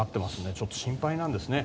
ちょっと心配なんですね。